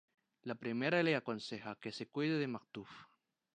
La primera le aconseja que se cuide de Macduff.